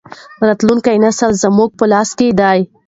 راتلونکی نسل زموږ په لاس کې دی.